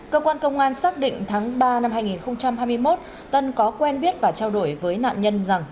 cơ quan công an xác định tháng ba năm hai nghìn hai mươi một tân có quen biết và trao đổi với nạn nhân rằng